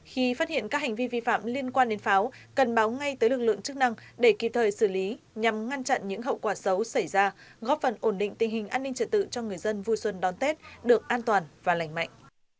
khi phát hiện các hành vi vi phạm liên quan đến pháo cần báo ngay tới lực lượng chức năng để kịp thời xử lý nhằm ngăn chặn những hậu quả xấu xảy ra góp phần ổn định tình hình an ninh trợ tự cho người dân vui xuân đón tết được an toàn và lành mạnh